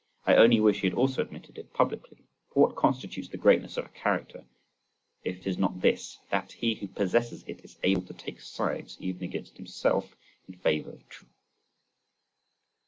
I only wish he had also admitted it publicly. For what constitutes the greatness of a character if it is not this, that he who possesses it is able to take sides even against himself in favour of truth.